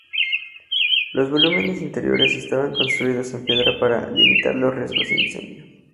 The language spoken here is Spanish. Los volúmenes interiores estaban construidos en piedra para limitar los riesgos de incendio.